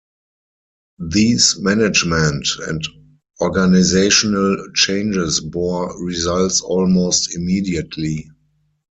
These management and organisational changes bore results almost immediately.